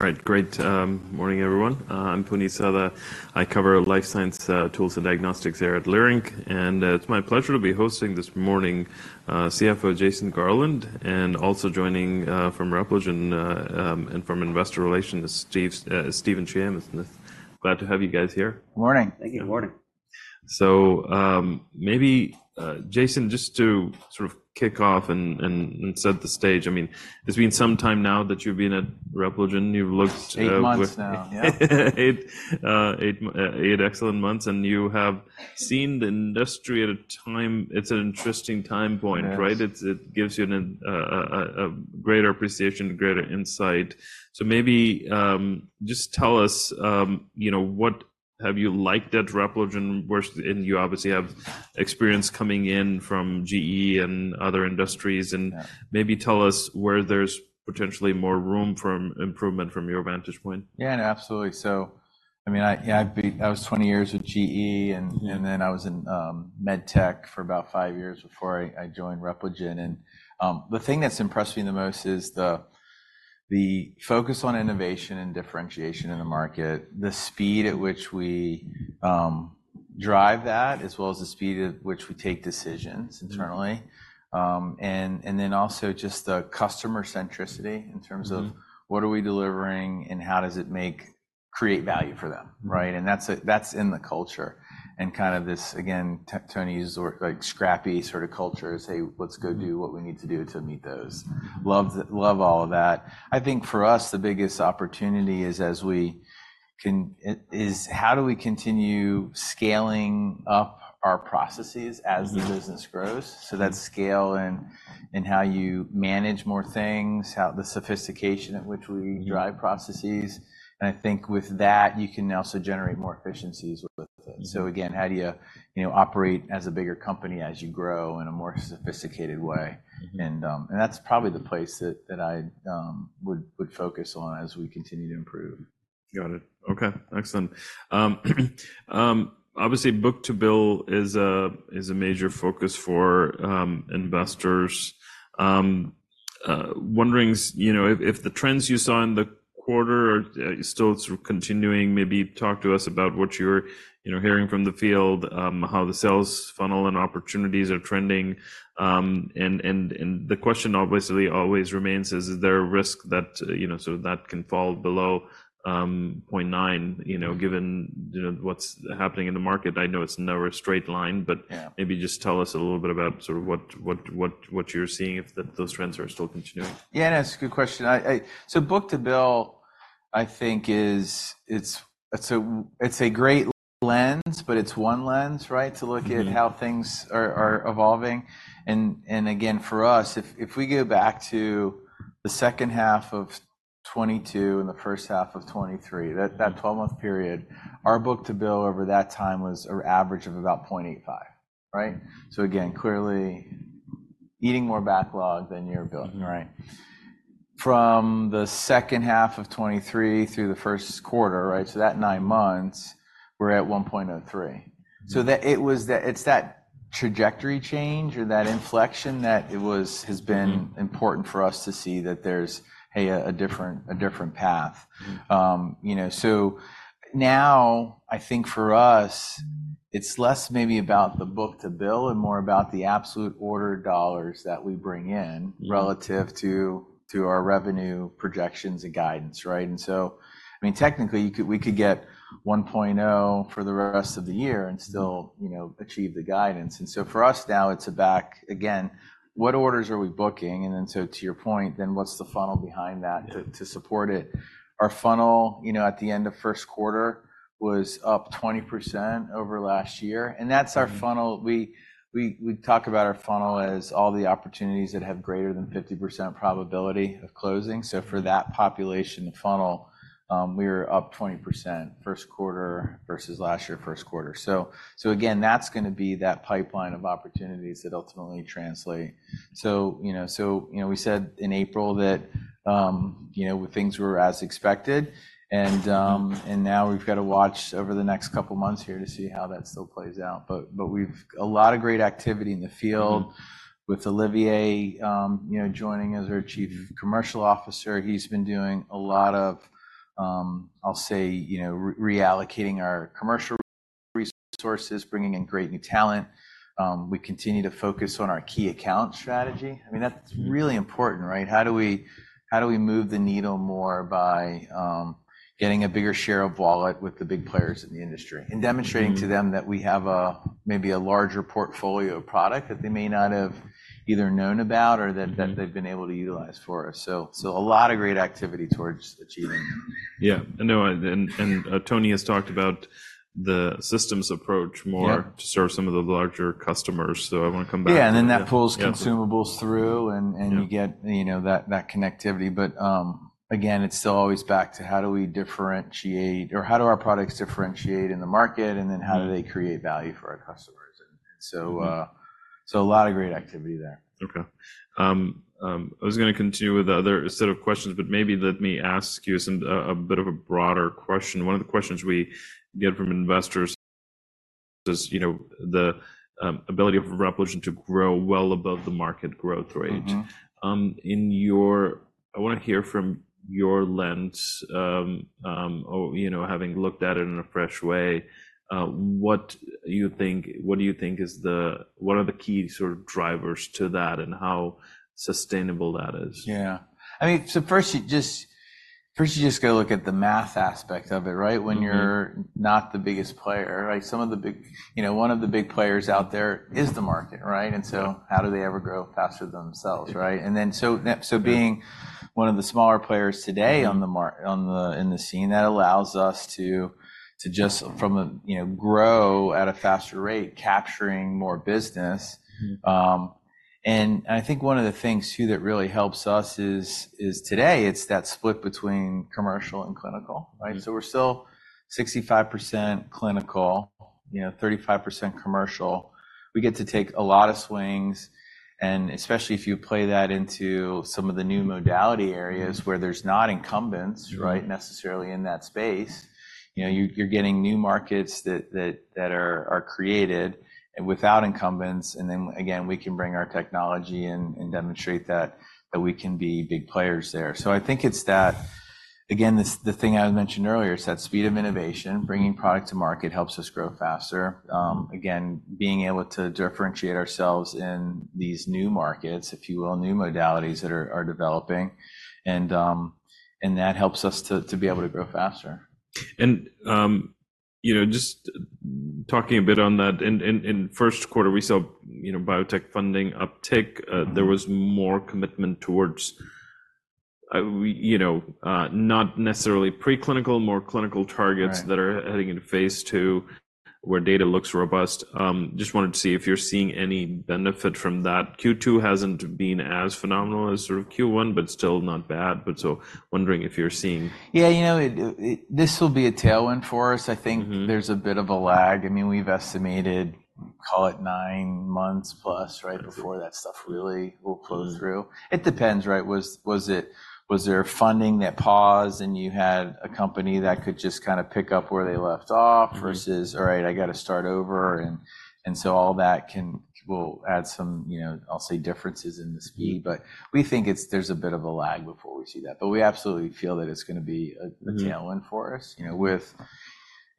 All right, great. Morning, everyone. I'm Puneet Souda. I cover life science tools and diagnostics here at Leerink, and it's my pleasure to be hosting this morning CFO Jason Garland, and also joining from Repligen and from Investor Relations, Sondra Kuehn is with us [?]. Glad to have you guys here. Morning. Thank you. Morning. So, maybe, Jason, just to sort of kick off and set the stage, I mean, it's been some time now that you've been at Repligen. You've looked, Eight months now. Yeah. Eight excellent months, and you have seen the industry at a time. It's an interesting time point, right? Yeah. It gives you a greater appreciation, greater insight. So maybe, just tell us, you know, what have you liked at Repligen worse than, and you obviously have experience coming in from GE and other industries, and maybe tell us where there's potentially more room for improvement from your vantage point. Yeah, no, absolutely. So, I mean, yeah, I was 20 years with GE, and then I was in MedTech for about 5 years before I joined Repligen. And the thing that's impressed me the most is the focus on innovation and differentiation in the market, the speed at which we drive that, as well as the speed at which we take decisions internally, and then also just the customer centricity in terms of what are we delivering and how does it create value for them, right? And that's in the culture. And kind of this, again, Tony's work, like, scrappy sort of culture is, hey, what we need to do to meet those. Love, love all of that. I think for us, the biggest opportunity is as we can how do we continue scaling up our processes as the business grows? So that's scaling in how you manage more things, how the sophistication at which we drive processes. And I think with that, you can also generate more efficiencies with it. So again, how do you, you know, operate as a bigger company as you grow in a more sophisticated way? And that's probably the place that I would focus on as we continue to improve. Got it. Okay. Excellent. Obviously, book-to-bill is a major focus for investors. Wondering, you know, if the trends you saw in the quarter are still sort of continuing, maybe talk to us about what you're, you know, hearing from the field, how the sales funnel and opportunities are trending. And the question obviously always remains, is there a risk that, you know, sort of that can fall below 0.9, you know, given, you know, what's happening in the market? I know it's never a straight line, but maybe just tell us a little bit about sort of what you're seeing if those trends are still continuing. Yeah, no, that's a good question. I so book-to-bill, I think, is, it's a great lens, but it's one lens, right, to look at how things are evolving. And again, for us, if we go back to the second half of 2022 and the first half of 2023, that 12-month period, our book-to-bill over that time was an average of about 0.85, right? So again, clearly eating more backlog than you're building, right? From the second half of 2023 through the first quarter, right, so that nine months, we're at 1.03. So that trajectory change or that inflection has been important for us to see that there's, hey, a different path. You know, so now I think for us, it's less maybe about the book-to-bill and more about the absolute order of dollars that we bring in relative to our revenue projections and guidance, right? And so, I mean, technically we could get 1.0 for the rest of the year and still, you know, achieve the guidance. And so for us now it's about, again, what orders are we booking? And then so to your point, then what's the funnel behind that to support it? Our funnel, you know, at the end of first quarter was up 20% over last year. And that's our funnel. We talk about our funnel as all the opportunities that have greater than 50% probability of closing. So for that population of funnel, we were up 20% first quarter versus last year first quarter. So again, that's gonna be that pipeline of opportunities that ultimately translate. So, you know, we said in April that, you know, things were as expected. And now we've gotta watch over the next couple months here to see how that still plays out. But we've a lot of great activity in the field with Olivier, you know, joining as our Chief Commercial Officer. He's been doing a lot of, I'll say, you know, reallocating our commercial resources, bringing in great new talent. We continue to focus on our key account strategy. I mean, that's really important, right? How do we move the needle more by getting a bigger share of wallet with the big players in the industry and demonstrating to them that we have maybe a larger portfolio of product that they may not have either known about or that they've been able to utilize for us. So a lot of great activity towards achieving that. Yeah. No, Tony has talked about the systems approach more to serve some of the larger customers. So I wanna come back to that. Yeah. And then that pulls consumables through and you know, that connectivity. But, again, it's still always back to how do we differentiate or how do our products differentiate in the market, and then how do they create value for our customers? And so a lot of great activity there. Okay. I was gonna continue with the other set of questions, but maybe let me ask you as a bit of a broader question. One of the questions we get from investors is, you know, the ability of Repligen to grow well above the market growth rate. In your, I wanna hear from your lens, you know, having looked at it in a fresh way, what do you think are the key sort of drivers to that and how sustainable that is? Yeah. I mean, so first you just gotta look at the math aspect of it, right, when you're not the biggest player, right? Some of the big, you know, one of the big players out there is the market, right? And so how do they ever grow faster than themselves, right? And then so, so being one of the smaller players today on the market, in the scene, that allows us to, you know, grow at a faster rate, capturing more business. And I think one of the things too that really helps us is today, it's that split between commercial and clinical, right? So we're still 65% clinical, you know, 35% commercial. We get to take a lot of swings, and especially if you play that into some of the new modality areas where there's not incumbents, right, necessarily in that space, you know, you're getting new markets that are created without incumbents. And then again, we can bring our technology in and demonstrate that we can be big players there. So I think it's that again, this, the thing I mentioned earlier is that speed of innovation, bringing product to market helps us grow faster, again, being able to differentiate ourselves in these new markets, if you will, new modalities that are developing. And that helps us to be able to grow faster. You know, just talking a bit on that, in first quarter, we saw, you know, biotech funding uptick. There was more commitment towards, we, you know, not necessarily preclinical, more clinical targets that are heading into phase two where data looks robust. Just wanted to see if you're seeing any benefit from that. Q2 hasn't been as phenomenal as sort of Q1, but still not bad. But so wondering if you're seeing. Yeah, you know, this will be a tailwind for us. I think there's a bit of a lag. I mean, we've estimated, call it 9 months plus, right, before that stuff really will close through. It depends, right? Was there funding that paused and you had a company that could just kind of pick up where they left off versus, all right, I gotta start over. And so all that can will add some, you know, I'll say differences in the speed, but we think there's a bit of a lag before we see that. But we absolutely feel that it's gonna be a tailwind for us, you know, with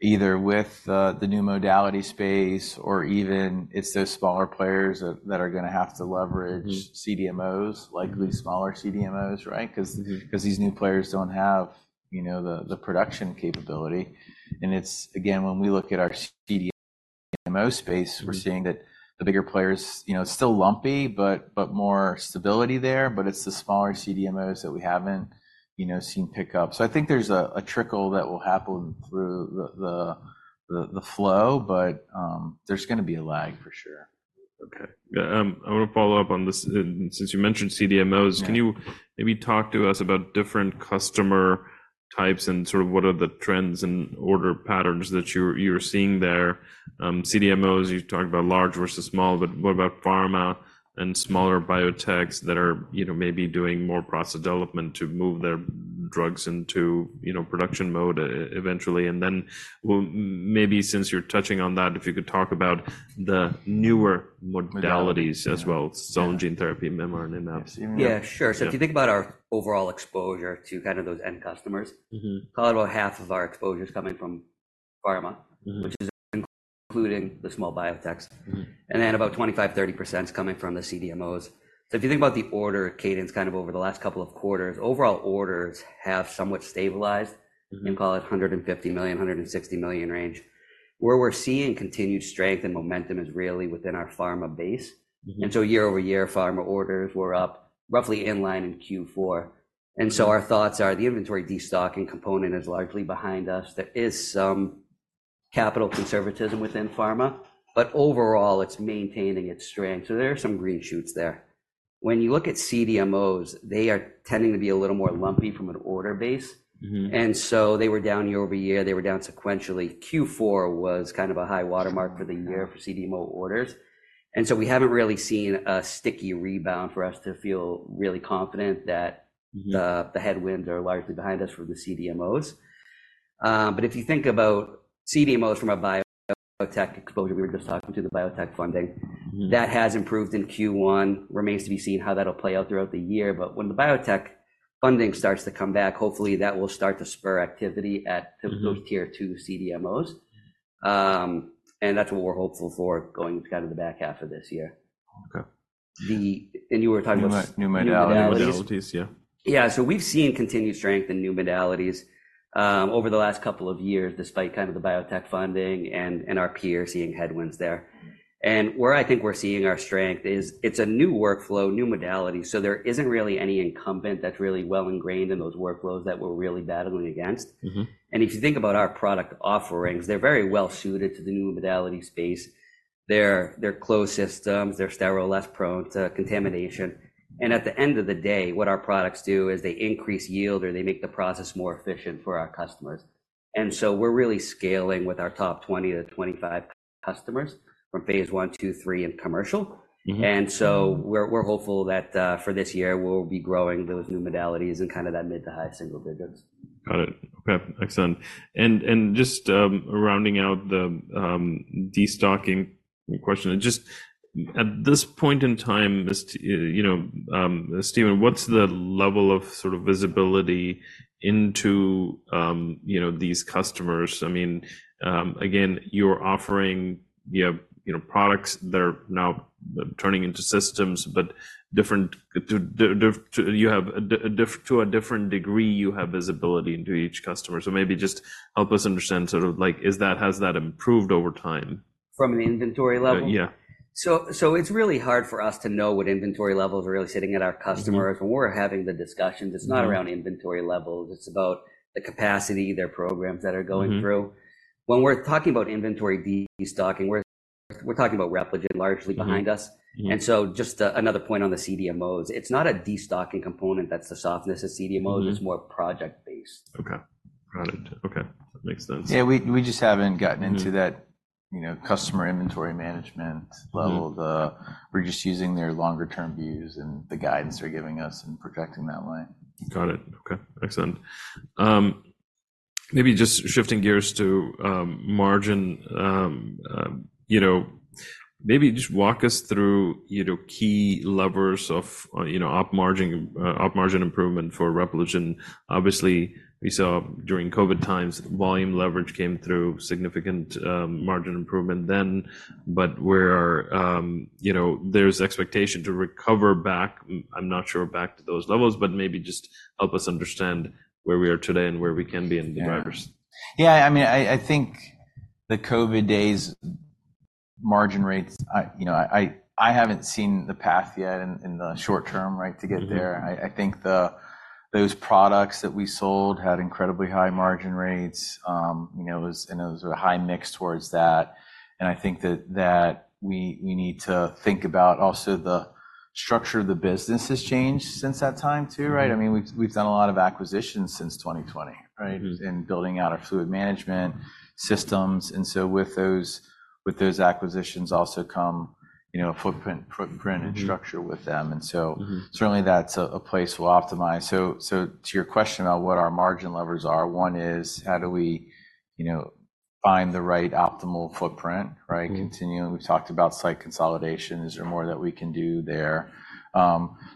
either the new modality space or even it's those smaller players that are gonna have to leverage CDMOs, likely smaller CDMOs, right? 'Cause these new players don't have, you know, the production capability. And it's, again, when we look at our CDMO space, we're seeing that the bigger players, you know, still lumpy, but more stability there. But it's the smaller CDMOs that we haven't, you know, seen pick up. So I think there's a trickle that will happen through the flow, but there's gonna be a lag for sure. Okay. Yeah. I wanna follow up on this. And since you mentioned CDMOs, can you maybe talk to us about different customer types and sort of what are the trends and order patterns that you're seeing there? CDMOs, you talked about large versus small, but what about pharma and smaller biotechs that are, you know, maybe doing more process development to move their drugs into, you know, production mode eventually? And then we'll maybe since you're touching on that, if you could talk about the newer modalities as well, cell and gene therapy, mRNA, and in-house. Yeah, sure. So if you think about our overall exposure to kind of those end customers, call it about half of our exposure's coming from pharma, which is including the small biotechs. And then about 25%-30%'s coming from the CDMOs. So if you think about the order cadence kind of over the last couple of quarters, overall orders have somewhat stabilized in, call it, $150 million-$160 million range. Where we're seeing continued strength and momentum is really within our pharma base. And so year-over-year, pharma orders were up roughly in line in Q4. And so our thoughts are the inventory destocking component is largely behind us. There is some capital conservatism within pharma, but overall it's maintaining its strength. So there are some green shoots there. When you look at CDMOs, they are tending to be a little more lumpy from an order base. They were down year-over-year. They were down sequentially. Q4 was kind of a high watermark for the year for CDMO orders. And so we haven't really seen a sticky rebound for us to feel really confident that the headwinds are largely behind us from the CDMOs. But if you think about CDMOs from a biotech exposure, we were just talking to the biotech funding. That has improved in Q1. Remains to be seen how that'll play out throughout the year. But when the biotech funding starts to come back, hopefully that will start to spur activity at typical tier two CDMOs. And that's what we're hopeful for going kind of the back half of this year. Okay. And you were talking about. New modalities, yeah. Yeah. So we've seen continued strength in new modalities, over the last couple of years despite kind of the biotech funding and, and our peers seeing headwinds there. And where I think we're seeing our strength is it's a new workflow, new modality. So there isn't really any incumbent that's really well ingrained in those workflows that we're really battling against. And if you think about our product offerings, they're very well suited to the new modality space. They're, they're closed systems. They're sterile, less prone to contamination. And at the end of the day, what our products do is they increase yield or they make the process more efficient for our customers. And so we're really scaling with our top 20-25 customers from phase one, two, three, and commercial. So we're hopeful that, for this year, we'll be growing those new modalities and kind of that mid to high single digits. Got it. Okay. Excellent. And just rounding out the destocking question, just at this point in time, Sondra [?], what's the level of sort of visibility into, you know, these customers? I mean, again, you're offering, you know, products that are now turning into systems, but to a different degree, you have visibility into each customer. So maybe just help us understand sort of like, has that improved over time? From an inventory level? Yeah. So it's really hard for us to know what inventory levels are really sitting at our customers. When we're having the discussions, it's not around inventory levels. It's about the capacity, their programs that are going through. When we're talking about inventory destocking, we're talking about Repligen largely behind us. Just another point on the CDMOs, it's not a destocking component that's the softness of CDMOs. It's more project-based. Okay. Got it. Okay. Makes sense. Yeah. We just haven't gotten into that, you know, customer inventory management level. Then we're just using their longer-term views and the guidance they're giving us and protecting that line. Got it. Okay. Excellent. Maybe just shifting gears to margin, you know, maybe just walk us through, you know, key levers of, you know, op margin, op margin improvement for Repligen. Obviously, we saw during COVID times, volume leverage came through, significant, margin improvement then. But where are, you know, there's expectation to recover back. I'm not sure back to those levels, but maybe just help us understand where we are today and where we can be in the drivers. Yeah. I mean, I think the COVID days margin rates, I you know, I haven't seen the path yet in the short term, right, to get there. I think those products that we sold had incredibly high margin rates. You know, it was and it was a high mix towards that. And I think that we need to think about also the structure of the business has changed since that time too, right? I mean, we've done a lot of acquisitions since 2020, right, in building out our fluid management systems. And so with those acquisitions also come, you know, a footprint and structure with them. And so certainly that's a place we'll optimize. So to your question about what our margin levers are, one is how do we, you know, find the right optimal footprint, right? Continuing. We've talked about site consolidation. Is there more that we can do there?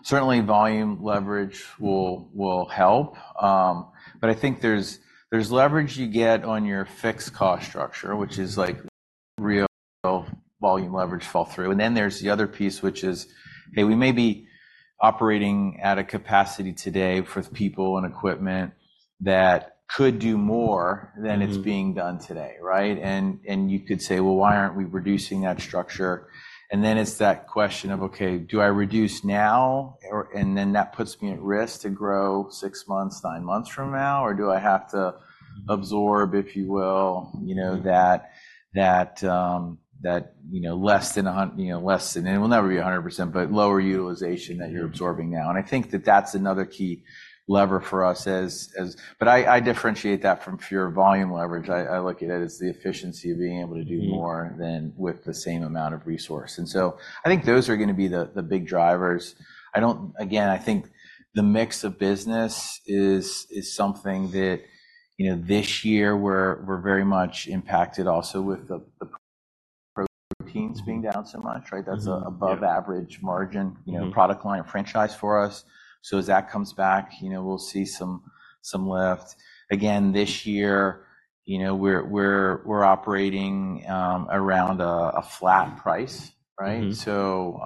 Certainly volume leverage will help. But I think there's leverage you get on your fixed cost structure, which is like real volume leverage flow-through. And then there's the other piece, which is, hey, we may be operating at a capacity today for people and equipment that could do more than it's being done today, right? And you could say, well, why aren't we reducing that structure? And then it's that question of, okay, do I reduce now or and then that puts me at risk to grow six months, nine months from now, or do I have to absorb, if you will, you know, that, that, that, you know, less than a hundred, you know, less than it will never be 100%, but lower utilization that you're absorbing now. And I think that that's another key lever for us as, as but I, I differentiate that from pure volume leverage. I, I look at it as the efficiency of being able to do more than with the same amount of resource. And so I think those are gonna be the, the big drivers. I don't again, I think the mix of business is something that, you know, this year we're very much impacted also with the proteins being down so much, right? That's a above average margin, you know, product client franchise for us. So as that comes back, you know, we'll see some lift. Again, this year, you know, we're operating around a flat price, right? So,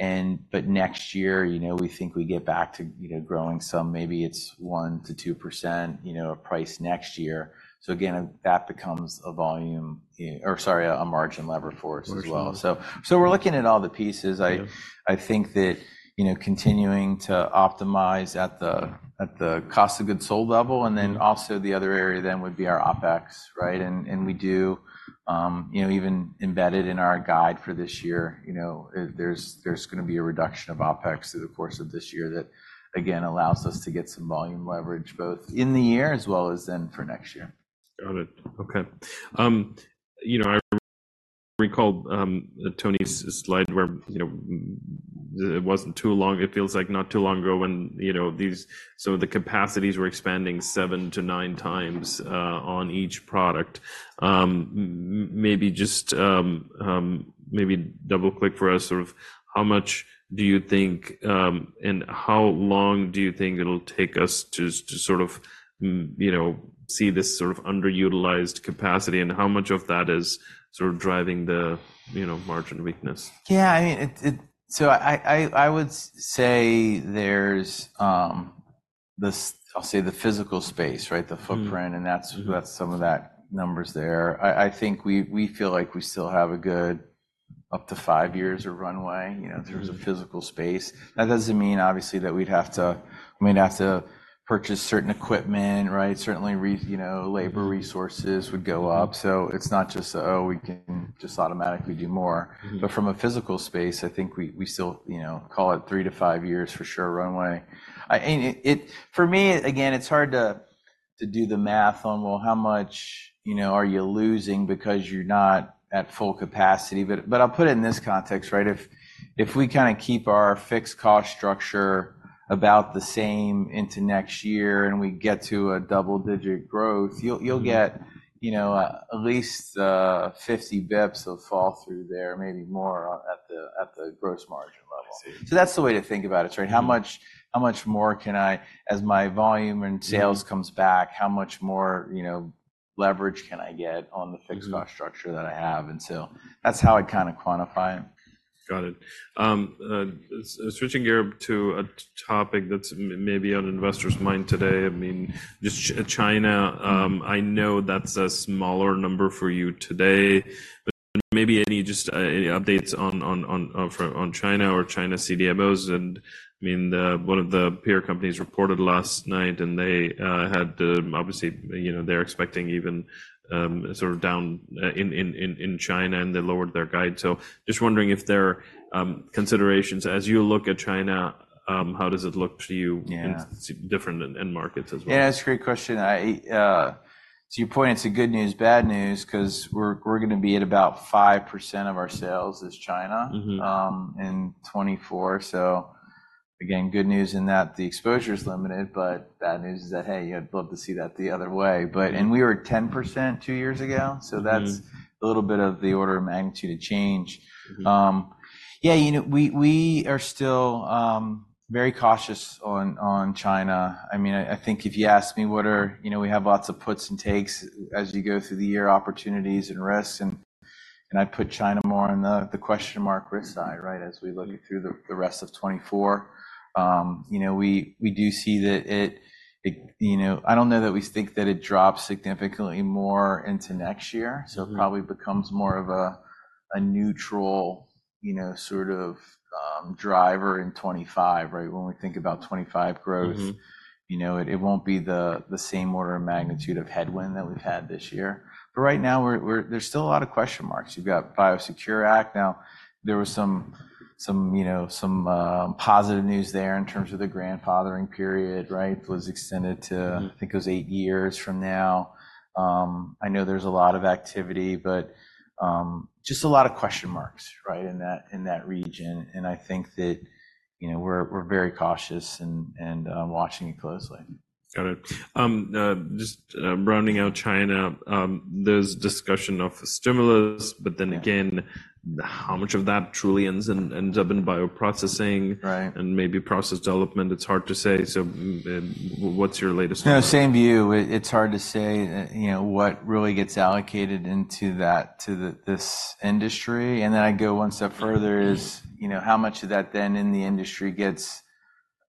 but next year, you know, we think we get back to, you know, growing some, maybe it's 1%-2%, you know, a price next year. So again, that becomes a volume or sorry, a margin lever for us as well. So we're looking at all the pieces. I think that, you know, continuing to optimize at the cost of goods sold level. And then also the other area then would be our OpEx, right? And we do, you know, even embedded in our guide for this year, you know, there's gonna be a reduction of OpEx through the course of this year that again allows us to get some volume leverage both in the year as well as then for next year. Got it. Okay. You know, I recall Tony's slide where, you know, it wasn't too long. It feels like not too long ago when, you know, these some of the capacities were expanding 7-9 times on each product. Maybe just, maybe double click for us sort of how much do you think, and how long do you think it'll take us to, to sort of, you know, see this sort of underutilized capacity and how much of that is sort of driving the, you know, margin weakness? Yeah. I mean, so I would say there's the physical space, right? The footprint. And that's some of those numbers there. I think we feel like we still have a good up to 5 years of runway, you know, in terms of physical space. That doesn't mean obviously that we'd have to purchase certain equipment, right? Certainly, you know, labor resources would go up. So it's not just, oh, we can just automatically do more. But from a physical space, I think we still, you know, call it 3-5 years for sure runway. And for me, again, it's hard to do the math on, well, how much, you know, are you losing because you're not at full capacity? But I'll put it in this context, right? If we kind of keep our fixed cost structure about the same into next year and we get to a double-digit growth, you'll get, you know, at least 50 basis points of fall through there, maybe more at the gross margin level. So that's the way to think about it, right? How much more can I, as my volume and sales comes back, how much more, you know, leverage can I get on the fixed cost structure that I have? And so that's how I kind of quantify 'em. Got it. Switching gear to a topic that's maybe on investors' mind today. I mean, just China. I know that's a smaller number for you today, but maybe any updates on China or China CDMOs. And I mean, one of the peer companies reported last night and they had, obviously, you know, they're expecting even sort of down in China and they lowered their guide. So just wondering if there are considerations as you look at China, how does it look to you in different end markets as well? Yeah. That's a great question. I, to your point, it's a good news, bad news, 'cause we're, we're gonna be at about 5% of our sales is China, in 2024. So again, good news in that the exposure's limited, but bad news is that, hey, you'd love to see that the other way. But, and we were 10% two years ago. So that's a little bit of the order of magnitude of change. Yeah, you know, we, we are still, very cautious on, on China. I mean, I, I think if you ask me what are, you know, we have lots of puts and takes as you go through the year, opportunities and risks. And, and I'd put China more on the, the question mark risk side, right? As we look through the, the rest of 2024. You know, we do see that it, you know, I don't know that we think that it drops significantly more into next year. So it probably becomes more of a neutral, you know, sort of, driver in 2025, right? When we think about 2025 growth, you know, it won't be the same order of magnitude of headwind that we've had this year. But right now we're, there's still a lot of question marks. You've got BIOSECURE Act. Now there was some, you know, some positive news there in terms of the grandfathering period, right? Was extended to, I think it was eight years from now. I know there's a lot of activity, but just a lot of question marks, right? In that region. And I think that, you know, we're very cautious and watching it closely. Got it. Just, rounding out China. There's discussion of stimulus, but then again, how much of that truly ends and ends up in bioprocessing and maybe process development? It's hard to say. So, what's your latest? No, same view. It's hard to say, you know, what really gets allocated into that, to this industry. And then I'd go one step further is, you know, how much of that then in the industry gets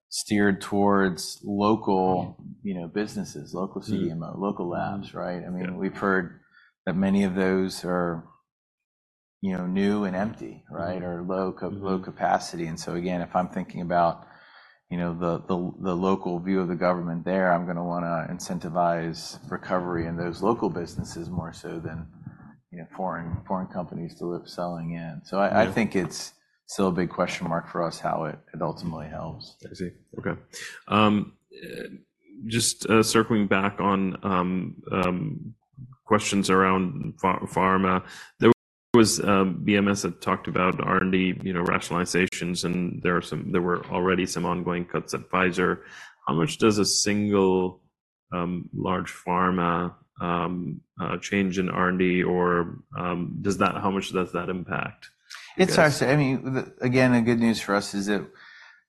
steered towards local, you know, businesses, local CDMO, local labs, right? I mean, we've heard that many of those are, you know, new and empty, right? Or low, low capacity. And so again, if I'm thinking about, you know, the local view of the government there, I'm gonna wanna incentivize recovery in those local businesses more so than, you know, foreign companies to live selling in. So I think it's still a big question mark for us how it ultimately helps. I see. Okay. Just circling back on questions around pharma. There was. BMS had talked about R&D, you know, rationalizations, and there are some. There were already some ongoing cuts at Pfizer. How much does a single large pharma change in R&D or does that—how much does that impact? It's hard to say. I mean, again, the good news for us is that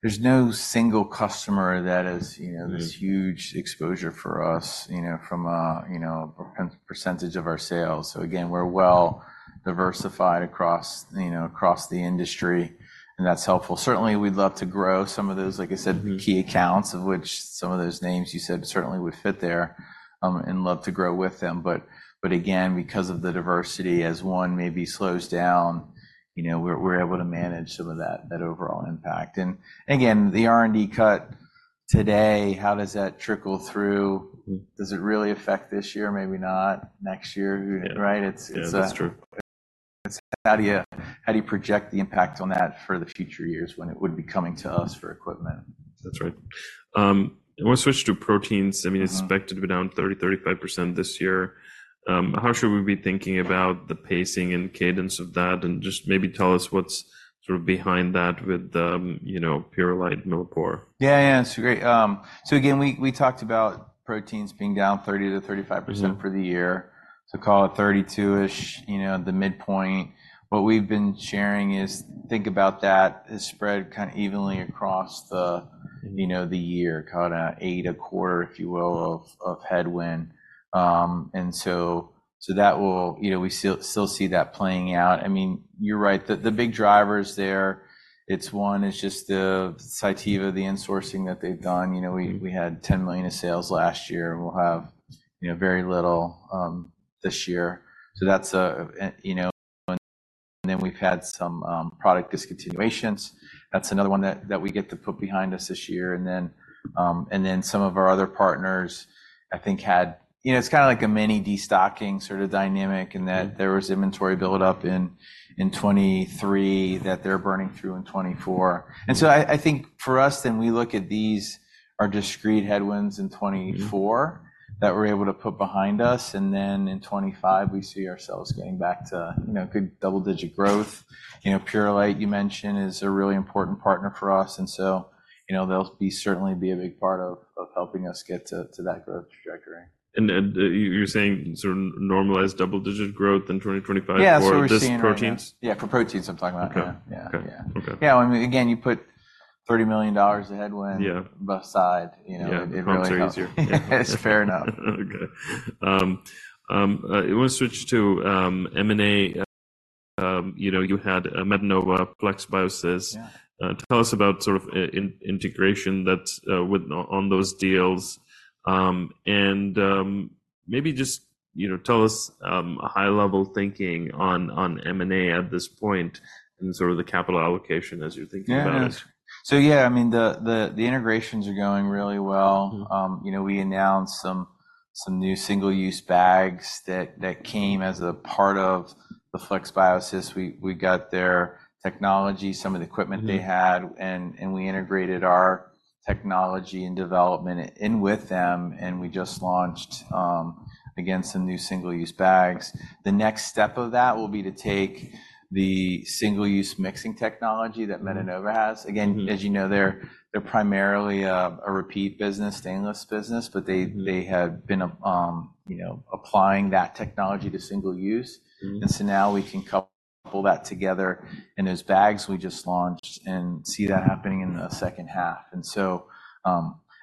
there's no single customer that is, you know, this huge exposure for us, you know, from a, you know, a percentage of our sales. So again, we're well diversified across, you know, across the industry and that's helpful. Certainly we'd love to grow some of those, like I said, key accounts of which some of those names you said certainly would fit there, and love to grow with them. But, but again, because of the diversity as one maybe slows down, you know, we're, we're able to manage some of that, that overall impact. Again, the R&D cut today, how does that trickle through? Does it really affect this year? Maybe not next year, right? It's a, how do you project the impact on that for the future years when it would be coming to us for equipment? That's right. I wanna switch to proteins. I mean, expected to be down 30%-35% this year. How should we be thinking about the pacing and cadence of that and just maybe tell us what's sort of behind that with, you know, Purolite and Millipore? Yeah, yeah. That's great. So again, we, we talked about proteins being down 30%-35% for the year. So call it 32-ish, you know, the midpoint. What we've been sharing is think about that has spread kind of evenly across the, you know, the year, about eight a quarter, if you will, of, of headwind. And so, so that will, you know, we still, still see that playing out. I mean, you're right. The, the big drivers there, it's one, it's just the Cytiva, the insourcing that they've done. You know, we, we had $10 million of sales last year and we'll have, you know, very little, this year. So that's a, you know, and then we've had some, product discontinuations. That's another one that, that we get to put behind us this year. And then, and then some of our other partners, I think had, you know, it's kind of like a mini destocking sort of dynamic in that there was inventory buildup in 2023 that they're burning through in 2024. And so I, I think for us, then we look at these are discrete headwinds in 2024 that we're able to put behind us. And then in 2025, we see ourselves getting back to, you know, good double-digit growth. You know, Purolite, you mentioned, is a really important partner for us. And so, you know, they'll certainly be a big part of helping us get to that growth trajectory. Then you're saying sort of normalized double digit growth in 2025 for this Proteins? Yeah. For proteins I'm talking about. Yeah. Yeah. Yeah. Yeah. I mean, again, you put $30 million headwind both sides, you know, it really helps. It's fair enough. Okay. I wanna switch to M&A. You know, you had a Metenova FlexBiosys. Tell us about sort of the integration that's going on with those deals. And maybe just, you know, tell us a high-level thinking on M&A at this point and sort of the capital allocation as you're thinking about it. Yeah. So yeah, I mean, the integrations are going really well. You know, we announced some new single-use bags that came as a part of the FlexBiosys. We got their technology, some of the equipment they had, and we integrated our technology and development in with them. And we just launched, again, some new single-use bags. The next step of that will be to take the single-use mixing technology that Metenova has. Again, as you know, they're primarily a repeat business, stainless business, but they have been, you know, applying that technology to single-use. And so now we can couple that together in those bags we just launched and see that happening in the second half. And so,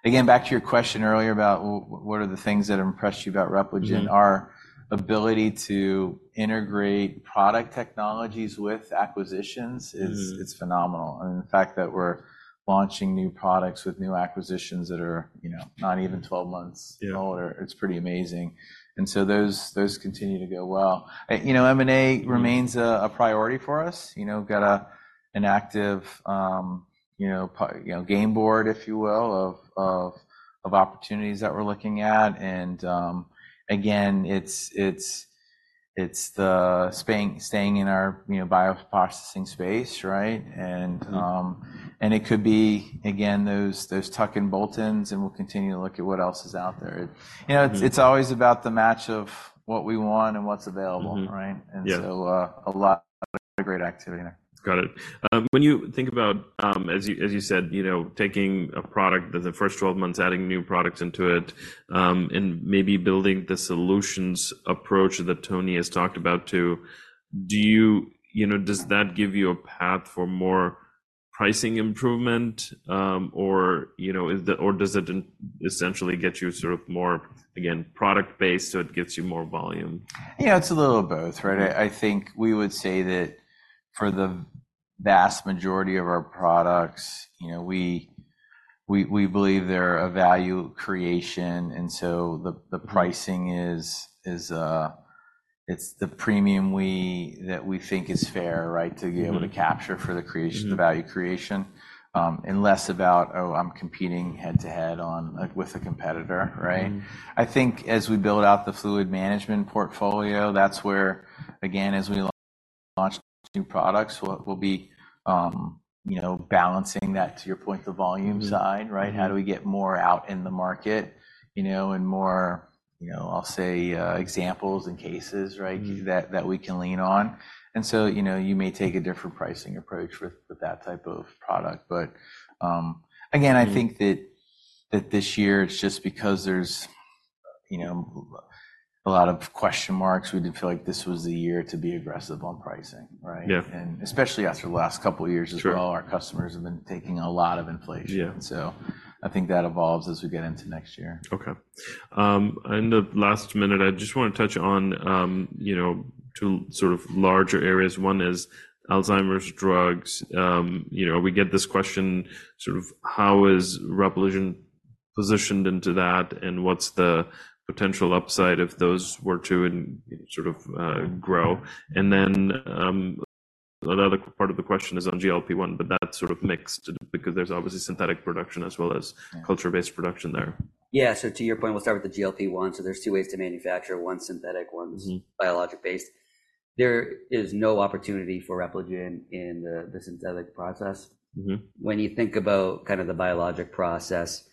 again, back to your question earlier about what are the things that impressed you about Repligen? Our ability to integrate product technologies with acquisitions is, it's phenomenal. I mean, the fact that we're launching new products with new acquisitions that are, you know, not even 12 months older, it's pretty amazing. And so those, those continue to go well. You know, M&A remains a, a priority for us. You know, got a, an active, you know, you know, game board, if you will, of, of, of opportunities that we're looking at. And, again, it's, it's, it's the staying, staying in our, you know, bioprocessing space, right? And, and it could be, again, those, those tuck and bolt ins, and we'll continue to look at what else is out there. You know, it's, it's always about the match of what we want and what's available, right? And so, a lot, a great activity there. Got it. When you think about, as you, as you said, you know, taking a product the first 12 months, adding new products into it, and maybe building the solutions approach that Tony has talked about too, do you, you know, does that give you a path for more pricing improvement, or, you know, is the, or does it essentially get you sort of more, again, product-based so it gives you more volume? Yeah, it's a little of both, right? I think we would say that for the vast majority of our products, you know, we believe they're a value creation. And so the pricing is, it's the premium that we think is fair, right? To be able to capture for the creation, the value creation, and less about, oh, I'm competing head to head on with a competitor, right? I think as we build out the fluid management portfolio, that's where, again, as we launch new products, what we'll be, you know, balancing that to your point, the volume side, right? How do we get more out in the market, you know, and more, you know, I'll say, examples and cases, right? That we can lean on. And so, you know, you may take a different pricing approach with that type of product. But, again, I think that this year it's just because there's, you know, a lot of question marks, we did feel like this was the year to be aggressive on pricing, right? And especially after the last couple of years as well, our customers have been taking a lot of inflation. And so I think that evolves as we get into next year. Okay. In the last minute, I just wanna touch on, you know, two sort of larger areas. One is Alzheimer's drugs. You know, we get this question sort of how is Repligen positioned into that and what's the potential upside if those were to sort of, grow. And then, another part of the question is on GLP-1, but that's sort of mixed because there's obviously synthetic production as well as culture-based production there. Yeah. So to your point, we'll start with the GLP-1. So there's two ways to manufacture. One synthetic, one biologic-based. There is no opportunity for Repligen in the synthetic process. When you think about kind of the biologic process,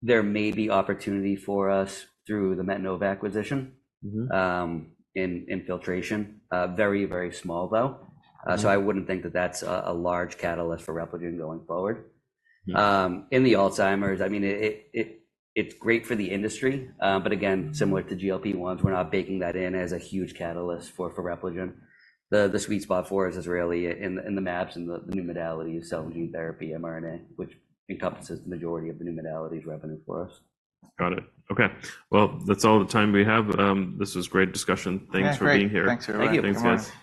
there may be opportunity for us through the Metenova acquisition, in filtration, very, very small though. So I wouldn't think that that's a large catalyst for Repligen going forward. In the Alzheimer's, I mean, it, it's great for the industry. But again, similar to GLP-1s, we're not baking that in as a huge catalyst for Repligen. The sweet spot for us is really in the mAbs and the new modality of cell and gene therapy, mRNA, which encompasses the majority of the new modalities revenue for us. Got it. Okay. Well, that's all the time we have. This was a great discussion. Thanks for being here. Thanks for having me. Thanks, guys.